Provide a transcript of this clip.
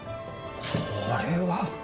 これは！